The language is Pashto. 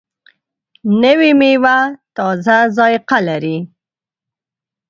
نوې میوه تازه ذایقه لري